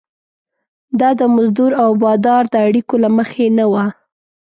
دا د مزدور او بادار د اړیکو له مخې نه وه.